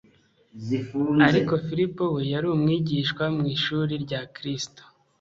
Ariko Filipo we yari umwigishwa mu ishuri rya Kristo,